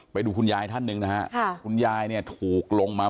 ไปดูคุณยายท่านหนึ่งนะฮะคุณยายเนี่ยถูกลงมา